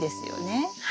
はい。